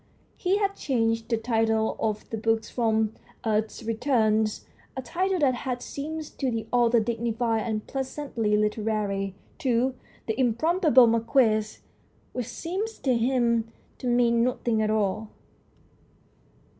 He had changed the title of the book from "Earth's Returns "a title that had seemed to the author dignified and pleasantly literary to " The Improbable Marquis," which seemed to him to mean nothing at all.